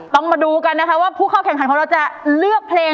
ต้องมาดูกันนะคะว่าผู้เข้าแข่งขันของเราจะเลือกเพลง